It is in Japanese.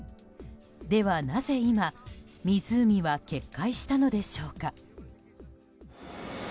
では、なぜ今湖は決壊したのでしょうか。